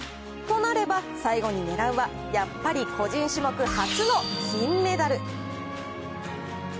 となれば、最後に狙うはやっぱり個人種目初の金メダル。